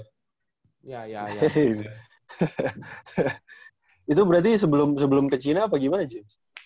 itu berarti sebelum ke china apa gimana james